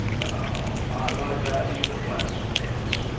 "No; I like that even less."